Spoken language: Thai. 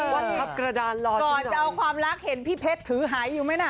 วันนี้ก่อนจะเอาความรักเห็นพี่เพชรถือหายอยู่ไหมนะ